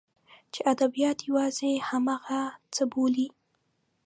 چې ادبیات یوازې همغه څه بولي.